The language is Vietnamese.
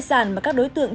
lần trước tôi g ping